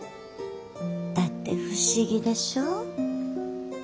だって不思議でしょう？